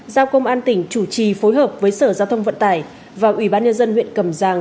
giao công an tỉnh chủ trì phối hợp với sở giao thông vận tải và ubnd huyện cẩm giàng